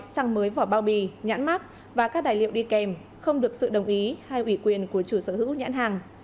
xăng mới vỏ bao bì nhãn mát và các tài liệu đi kèm không được sự đồng ý hay ủy quyền của chủ sở hữu nhãn hàng